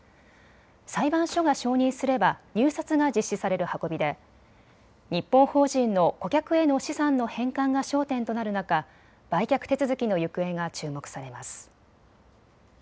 裁判所が承認すれば入札が実施される運びで日本法人の顧客への資産の返還が焦点となる中、売却手続きの行方が注目されます。